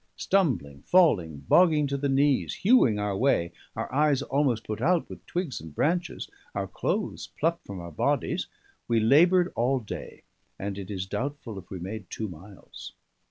Stumbling, falling, bogging to the knees, hewing our way, our eyes almost put out with twigs and branches, our clothes plucked from our bodies, we laboured all day, and it is doubtful if we made two miles.